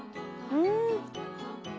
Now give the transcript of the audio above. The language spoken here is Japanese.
うん。